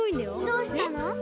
どうしたの？